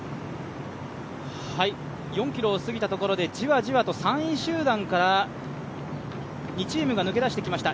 ４ｋｍを過ぎたところでじわじわと３位集団から２チームが抜け出してきました。